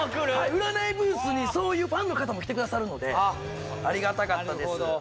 占いブースにそういうファンの方も来てくださるのでありがたかったです